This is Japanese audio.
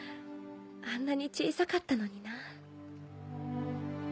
あんなに小さかったのにな。